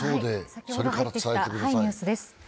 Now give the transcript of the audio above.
先ほど入ってきたニュースです。